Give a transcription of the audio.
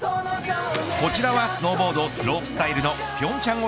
こちらはスノーボードスロープスタイルの平昌